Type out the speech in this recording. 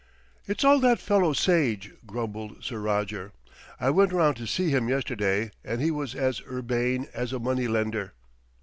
"It's all that fellow Sage," grumbled Sir Roger. "I went round to see him yesterday, and he was as urbane as a money lender."